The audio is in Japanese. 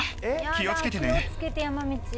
気を付けてね。